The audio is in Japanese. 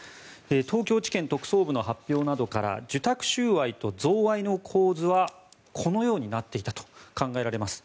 東京地検特捜部の発表などから受託収賄と贈賄の構図はこのようになっていたと考えられます。